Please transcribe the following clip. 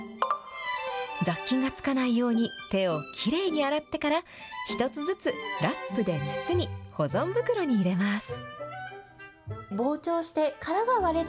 雑菌がつかないように、手をきれいに洗ってから、１つずつラップで包み、保存袋に入れます。